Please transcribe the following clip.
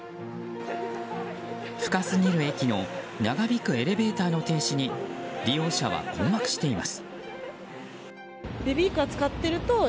深すぎる駅の長引くエレベーターの停止に利用者は困惑しています。